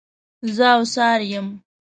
زه اوڅار یم.